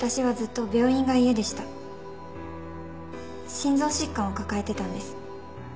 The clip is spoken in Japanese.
心臓疾患を抱えてたんです。